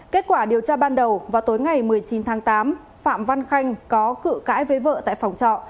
kết quả điều tra ban đầu vào tối ngày một mươi chín tháng tám phạm văn khanh có cự cãi với vợ tại phòng trọ